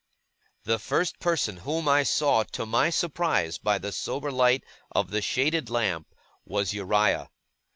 The first person whom I saw, to my surprise, by the sober light of the shaded lamp, was Uriah.